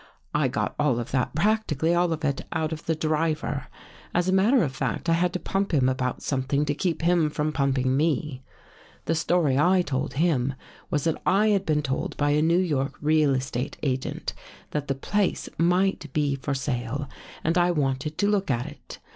I got all of that, practically all of it, out of the driver. As a matter of fact, I had to pump him about something to keep him from pumping me. The story I told him was that I had been told by a New York real estate agent, that the place might be for sale and I wanted to look at it.